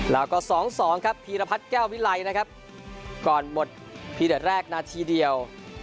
แล้วก็สองสองครับพีรพัดแก้ววิไลนะครับก่อนหมดพีเดิร์ดแรกนาทีเดียว